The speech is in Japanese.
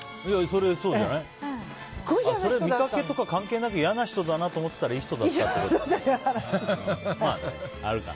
それは見かけとか関係なく嫌な人だなと思ってたらいい人だったってことか。